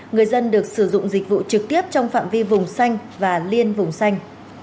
người dân được sử dụng dịch vụ trực tiếp trong phạm vi vùng xanh và liên vùng xanh